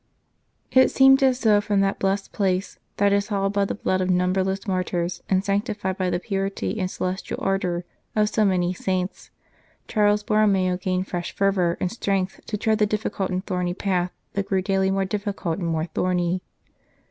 It seemed as though from that blessed place, that is hallowed by the blood of numberless martyrs, and sanctified by the purity and celestial ardour of so many saints, Charles Borromeo gained fresh fervour and strength to tread the difficult and thorny path that grew daily more difficult and more thorny.